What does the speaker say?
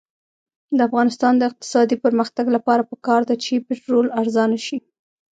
د افغانستان د اقتصادي پرمختګ لپاره پکار ده چې پټرول ارزانه شي.